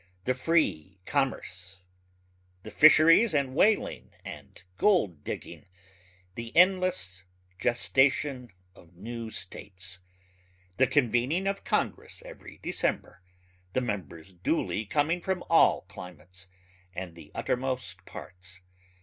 the free commerce the fisheries and whaling and gold digging the endless gestation of new states the convening of Congress every December, the members duly coming up from all climates and the uttermost parts